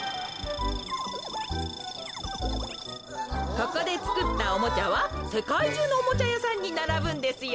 ここでつくったおもちゃはせかいじゅうのおもちゃやさんにならぶんですよ。